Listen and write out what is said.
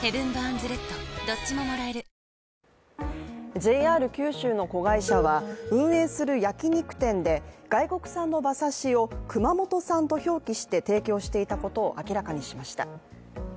ＪＲ九州の子会社は運営する焼き肉店で外国産の馬刺しを熊本産と表記して提供していたことを明らかにしました。